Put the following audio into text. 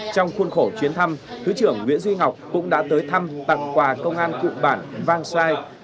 trong khuôn khổ chuyến thăm thứ trưởng nguyễn duy ngọc cũng đã tới thăm tặng quà công an cụm bản vang sai